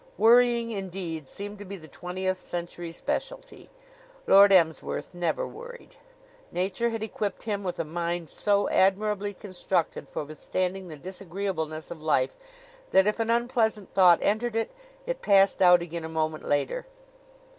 Worrying, indeed, seemed to be the twentieth century specialty. Lord Emsworth never worried. Nature had equipped him with a mind so admirably constructed for withstanding the disagreeableness of life that if an unpleasant thought entered it, it passed out again a moment later.